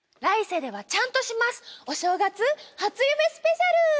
『来世ではちゃんとしますお正月初夢スペシャル』！